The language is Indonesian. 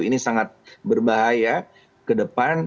ini sangat berbahaya ke depan